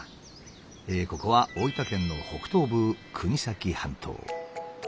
ここは大分県の北東部国東半島。